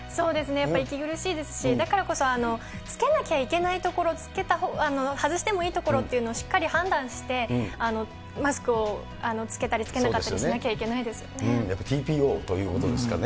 やっぱり息苦しいですし、だからこそ、着けなきゃいけない所、外してもいい所っていうのをしっかり判断して、マスクを着けたり着けなかったりしなきゃいけないですね。